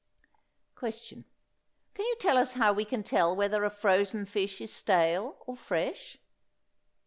Question. Can you tell us how we can tell whether a frozen fish is stale or fresh?